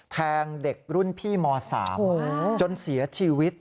แทงเด็กรุ่นพี่ม๓จนเสียชีวิต